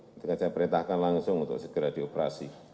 nanti akan saya perintahkan langsung untuk segera dioperasi